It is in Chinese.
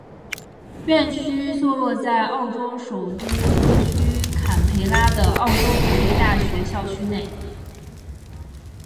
院区座落在澳洲首都特区坎培拉的澳洲国立大学校园内。